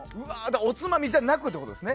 おつまみじゃなくってことですね。